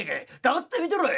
黙って見てろい！」。